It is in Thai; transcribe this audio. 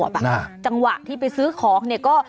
เบิร์ตลมเสียโอ้โห